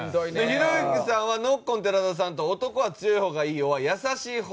ひろゆきさんはノッコン寺田さんと「男は強い方がいいｏｒ優しい方がいい」。